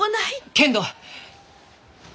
けんど！